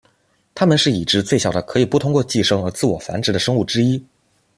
它们是已知最小的可以不通过寄生而自我繁殖的生物之一。